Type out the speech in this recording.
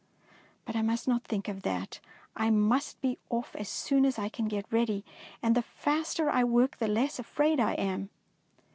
But I must not think of that, for I must be off as soon as I can get ready, and the faster I work the less afraid I am."